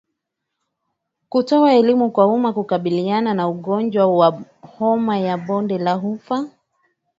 Kutoa Elimu kwa umma hukabiliana na ugonjwa wa homa ya bonde la ufa